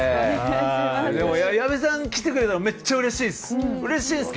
でも矢部さん来てくれたのめっちゃうれしいっす。